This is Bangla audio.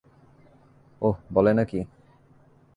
ওহ, বলে নাকি?